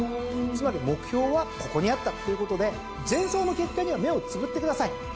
つまり目標はここにあったっていうことで前走の結果には目をつぶってください。